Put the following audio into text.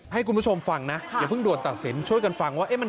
ให้คุณผู้ชมฟังนะอย่าเพิ่งด่วนตัดสินช่วยกันฟังว่ามัน